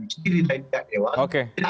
kita bisa lalui tahap yang itu